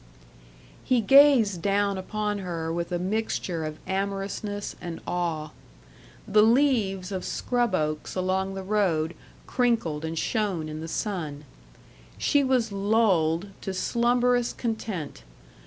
He gazed down upon her with a mixture of amorousness and awe. The leaves of scrub oaks along the road crinkled and shone in the sun. She was lulled to slumberous content.